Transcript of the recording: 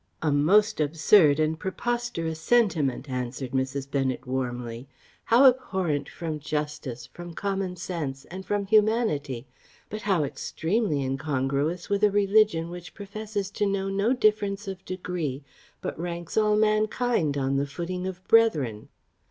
"A most absurd and preposterous sentiment," answered Mrs. Bennet warmly; "how abhorrent from justice, from common sense, and from humanity but how extremely incongruous with a religion which professes to know no difference of degree, but ranks all mankind on the footing of brethren!